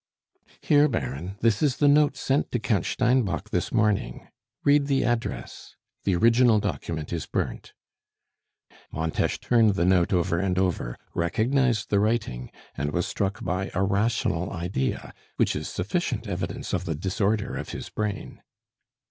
"Here, Baron, this is the note sent to Count Steinbock this morning; read the address. The original document is burnt." Montes turned the note over and over, recognized the writing, and was struck by a rational idea, which is sufficient evidence of the disorder of his brain.